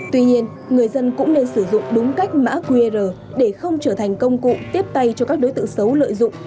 tuy nhiên người dân cũng nên sử dụng đúng cách mã qr để không trở thành công cụ tiếp tay cho các đối tượng xấu lợi dụng